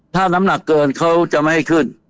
ถ้าน้ำหนักเกินเขาจะไม่ให้ขึ้น